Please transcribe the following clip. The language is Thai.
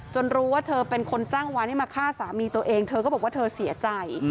รู้ว่าเธอเป็นคนจ้างวานให้มาฆ่าสามีตัวเองเธอก็บอกว่าเธอเสียใจ